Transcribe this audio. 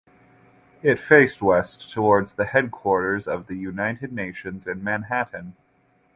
It faced west toward the headquarters of the United Nations in Manhattan.